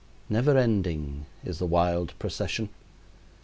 Never ending is the wild procession.